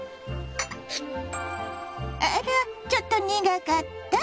あらっちょっと苦かった？